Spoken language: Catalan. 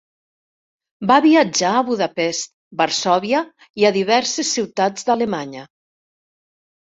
Va viatjar a Budapest, Varsòvia i a diverses ciutats d'Alemanya.